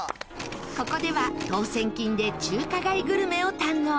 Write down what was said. ここでは当せん金で中華街グルメを堪能。